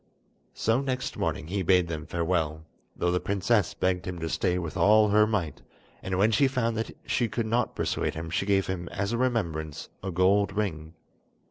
So next morning he bade them farewell, though the princess begged him to stay with all her might; and when she found that she could not persuade him she gave him as a remembrance a gold ring.